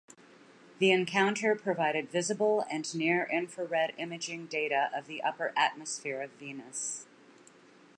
The encounter provided visible and near-infrared imaging data of the upper atmosphere of Venus.